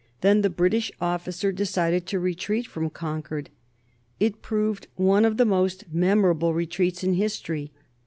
Then the British officer decided to retreat from Concord. It proved one of the most memorable retreats in history.